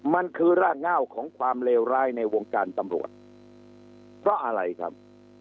มันคือร่างเง่าของความเลวร้ายในวงการตำรวจเพราะอะไรครับ